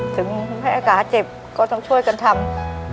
ถึงให้อากาเจ็บก็ต้องช่วยกันทำ